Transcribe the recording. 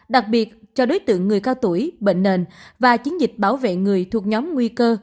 đặc biệt cho đối tượng người cao tuổi bệnh nền và chiến dịch bảo vệ người thuộc nhóm nguy cơ